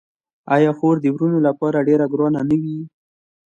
آیا خور د وروڼو لپاره ډیره ګرانه نه وي؟